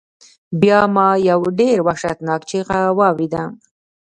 بیا ما یو ډیر وحشتناک چیغہ واوریده.